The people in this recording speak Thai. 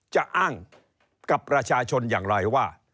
จะอ้างกับประชาชนอย่างไรว่า